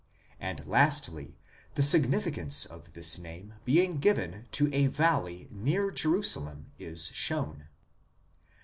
And lastly, the significance of this name being given to a valley near Jerusalem is shown.